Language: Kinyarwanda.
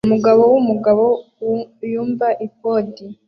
Umugabo wumugabo yumva iPod